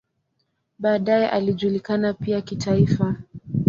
Baadaye alijulikana pia kitaifa.